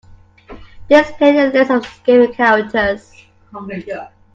Display a list of escape characters.